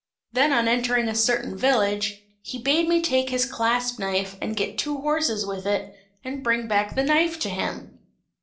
Then, on entering a certain village, he bade me take his clasp knife and get two horses with it, and bring back the knife to him."